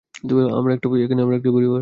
আমরা একটা পরিবার।